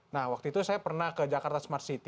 nah waktu itu saya pernah ke jakarta smart city